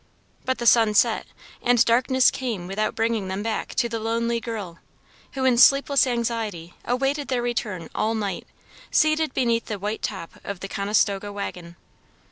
But the sun set and darkness came without bringing them back to the lonely girl, who in sleepless anxiety awaited their return all night seated beneath the white top of the Conestoga wagon.